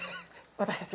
私たち。